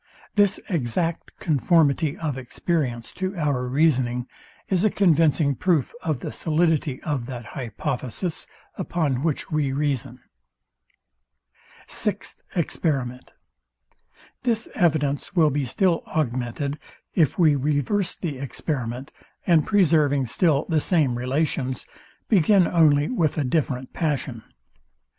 This exact conformity of experience to our reasoning is a convincing proof of the solidity of that hypothesis, upon which we reason. Sixth Experiment. This evidence will be still augmented, if we reverse the experiment, and preserving still the same relations, begin only with a different passion.